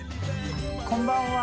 こんばんは。